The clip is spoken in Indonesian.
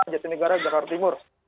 jati negara jakarta timur